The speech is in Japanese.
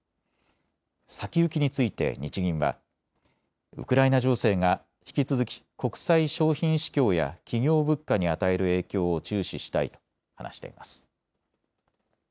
先行きについて日銀はウクライナ情勢が引き続き国際商品市況や企業物価に与える影響を注視したいと話しています。